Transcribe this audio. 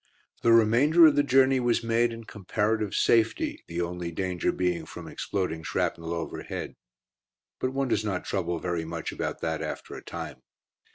The remainder of the journey was made in comparative safety, the only danger being from exploding shrapnel overhead. But one does not trouble very much about that after a time.